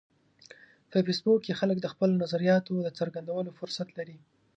په فېسبوک کې خلک د خپلو نظریاتو د څرګندولو فرصت لري